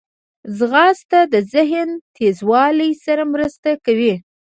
ځغاسته د ذهن تیزوالي سره مرسته کوي